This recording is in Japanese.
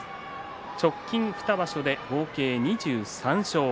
直近２場所で合計２３勝。